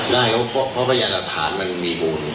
ได้เพราะว่าพยานรับฐานมันมีมุม